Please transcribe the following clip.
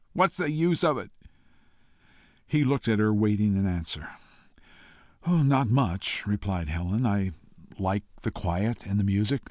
"What's the use of it?" He looked at her, waiting an answer. "Not much," replied Helen. "I like the quiet and the music.